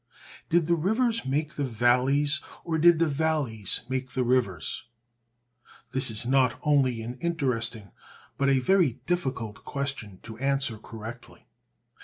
Did the rivers make the valleys or did the valleys make the rivers? This is not only an interesting but a very difficult question to answer correctly.